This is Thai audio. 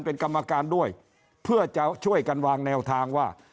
เป็นกรรมการด้วยเพื่อจะช่วยกันวางแนวทางว่า